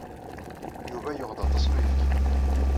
Yuba yuɣ-d aṭas n uyefki.